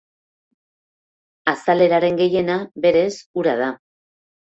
Azaleraren gehiena, berez, ura da.